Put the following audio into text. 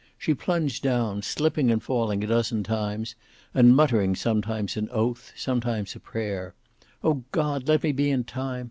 She plunged down, slipping and falling a dozen times, and muttering, some times an oath, some times a prayer, "Oh, God, let me be in time.